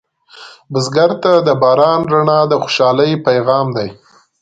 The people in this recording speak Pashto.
بزګر ته د باران رڼا د خوشحالۍ پیغام دی